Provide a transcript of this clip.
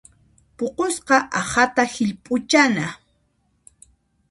Puqusqa aqhata hillp'uchana.